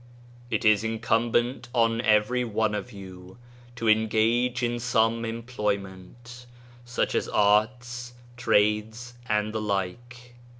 It is incumbent on every one of you to engage in some employment, such as arts, trades and the like.